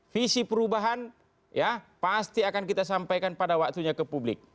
visi perubahan ya pasti akan kita sampaikan pada waktunya ke publik